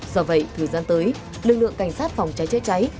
do vậy thời gian tới lực lượng cảnh sát phòng cháy chữa cháy